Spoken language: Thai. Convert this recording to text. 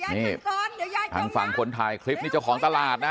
นี่ทางฝั่งคนถ่ายคลิปนี่เจ้าของตลาดนะ